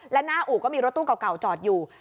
และหน้าอู่ก็มีรถตู้เก่าจอดอยู่